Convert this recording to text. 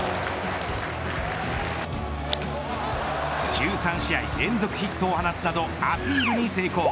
１３試合連続ヒットを放つなどアピールに成功。